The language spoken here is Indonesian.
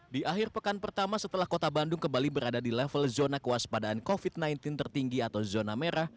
di akhir pekan pertama setelah kota bandung kembali berada di level zona kuas padaan covid sembilan belas tertinggi atau zona merah